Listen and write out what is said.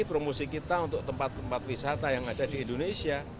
promosi kita untuk tempat tempat wisata yang ada di indonesia